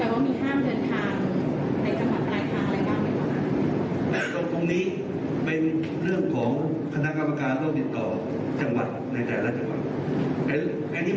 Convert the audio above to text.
เมื่อนี้ไม่ได้มาหรือการลมล้างระกาศเลิกติดดึงนะ